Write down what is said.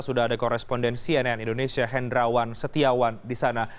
sudah ada korespondensi nn indonesia hendrawan setiawan di sana